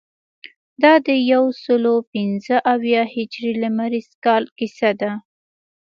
دا د یوسلو پنځه اویا هجري لمریز کال کیسه ده.